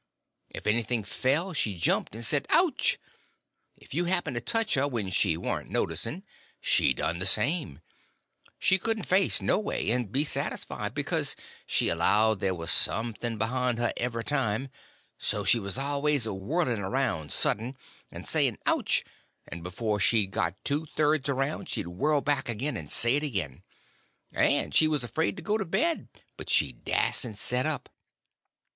if anything fell, she jumped and said "ouch!" if you happened to touch her, when she warn't noticing, she done the same; she couldn't face noway and be satisfied, because she allowed there was something behind her every time—so she was always a whirling around sudden, and saying "ouch," and before she'd got two thirds around she'd whirl back again, and say it again; and she was afraid to go to bed, but she dasn't set up.